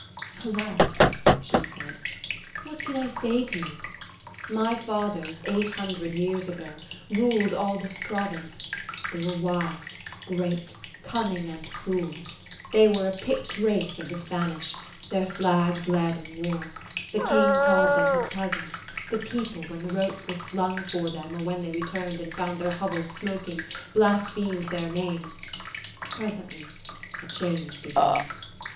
"Alas!" she said, "what can I say to you? My fathers, eight hundred years ago, ruled all this province: they were wise, great, cunning, and cruel; they were a picked race of the Spanish; their flags led in war; the king called them his cousin; the people, when the rope was slung for them or when they returned and found their hovels smoking, blasphemed their name. Presently a change began.